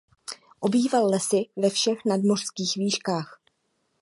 Obýval lesy ve všech nadmořských výškách.